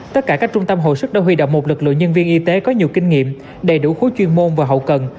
tất cả các trung tâm hồi sức đã huy động một lực lượng nhân viên y tế có nhiều kinh nghiệm đầy đủ khối chuyên môn và hậu cần